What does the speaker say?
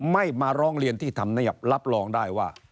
ไม่มาร้องเรียนที่ธรรมเนียบรับรองได้ว่า